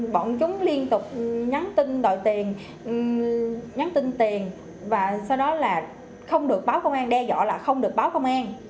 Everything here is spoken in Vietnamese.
bọn chúng liên tục nhắn tin đòi tiền nhắn tin tiền và sau đó là không được báo công an đe dọa là không được báo công an